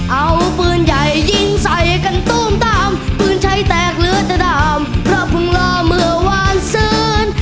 เอาปืนใหญ่ยิงใส่กันตู้มตามปืนใช้แตกหรือจะด่ามเพราะเพิ่งรอเมื่อวานซื้น